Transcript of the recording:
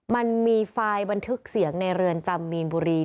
มันมีไฟล์บันทึกเสียงในเรือนจำมีนบุรี